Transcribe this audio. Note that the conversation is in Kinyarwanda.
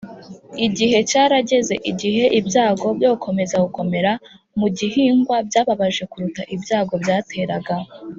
“igihe cyarageze igihe ibyago byo gukomeza gukomera mu gihingwa byababaje kuruta ibyago byateraga.”